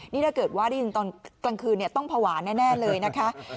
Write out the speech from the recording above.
นี่ถ้าเกิดว่าได้ยินตอนกลางคืนต้องภาวะแน่เลยนะคะ